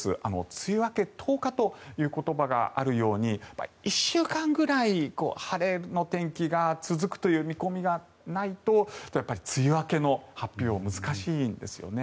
梅雨明け１０日という言葉があるように１週間ぐらい、晴れの天気が続くという見込みがないと梅雨明けの発表は難しいんですよね。